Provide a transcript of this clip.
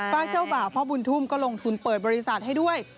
เจ้าบ่าวพ่อบุญทุ่มก็ลงทุนเปิดบริษัทให้ด้วย